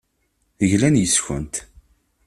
Glan yes-kent.